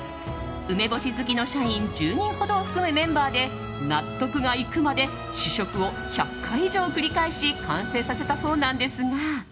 梅干し好きの社員１０人ほどを含むメンバーで納得がいくまで試食を１００回以上繰り返し完成させたそうなんですが